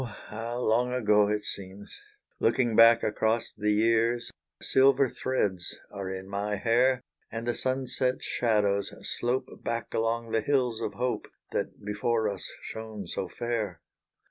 how long ago it seems, Looking back across the year Silver threads are in my hair And the sunset shadows slope Back along the hills of hope That before us shone so fair.